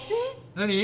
何？